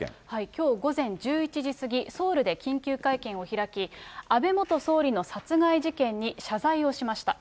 きょう午前１１時過ぎ、ソウルで緊急会見を開き、安倍元総理の殺害事件に謝罪をしました。